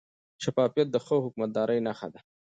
شفافیت د ښه حکومتدارۍ نښه ده.